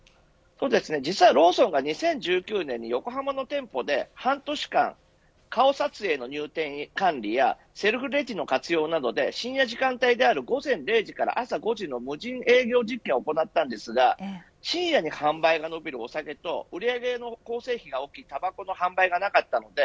実際にローソンは２０１９年に、横浜の店舗で半年間、顔撮影の入店管理やセルフレジの活用などで深夜時間帯である午前０時から朝５時の無人営業実験を行ったんですが深夜に販売が伸びるお酒と売り上げの構成比が大きいたばこの販売がなかったので